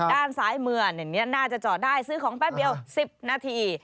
ด้านซ้ายมืออย่างนี้น่าจะจอดได้ซื้อของแป๊บเดียว๑๐นาที